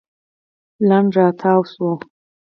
لنډ راتاو شول.